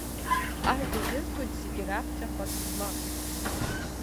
Ажәа ирҭоит зегь раԥхьа ҳәатә змам.